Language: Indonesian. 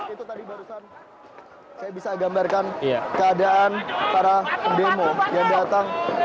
itu tadi barusan saya bisa gambarkan keadaan para pendemo yang datang